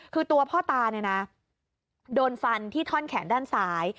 คือตัวพ่อตาเนี่ยนะโดนฟันที่ท่อนแขนด้านซ้าย